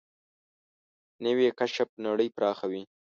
نوې کشف نړۍ پراخوي